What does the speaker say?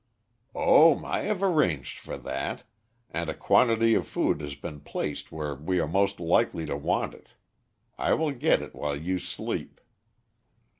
"Oh, I have arranged for that, and a quantity of food has been placed where we are most likely to want it. I will get it while you sleep."